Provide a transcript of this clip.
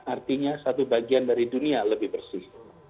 artinya satu bagian dari dunia lebih bersih